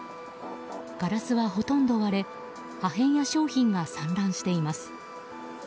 ガラスはほとんど割れ破片や商品が散乱しています。